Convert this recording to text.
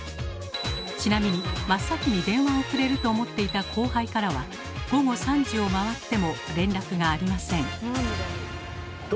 ちなみに真っ先に電話をくれると思っていた後輩からは午後３時を回っても連絡がありません。